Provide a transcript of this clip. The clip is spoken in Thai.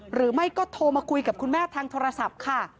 หรือไม่ก็โทรมาคุยกับคุณแม่ทางโทรศัพท์ค่ะ